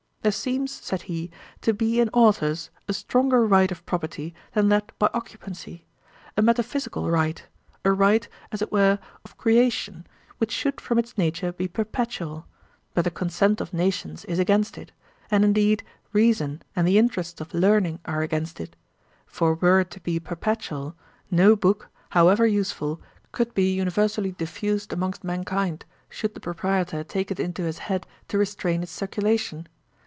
'There seems (said he,) to be in authours a stronger right of property than that by occupancy; a metaphysical right, a right, as it were, of creation, which should from its nature be perpetual; but the consent of nations is against it, and indeed reason and the interests of learning are against it; for were it to be perpetual, no book, however useful, could be universally diffused amongst mankind, should the proprietor take it into his head to restrain its circulation.